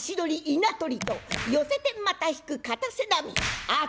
稲取と寄せてまた引く片瀬波熱